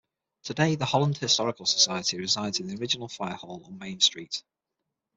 Today the Holland Historical Society resides in the original fire hall on Main Street.